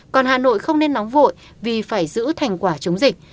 còn hà nội không nên nóng vội vì phải giữ thành quả chống dịch